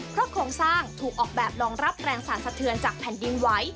เพราะโครงสร้างถูกออกแบบรองรับแรงสรรสะเทือนจากแผ่นดินไหว